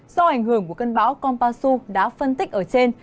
do ảnh hưởng của cơn bão konpasu đã phân tích ở trên